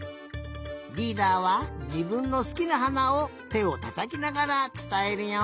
リーダーはじぶんのすきなはなをてをたたきながらつたえるよ。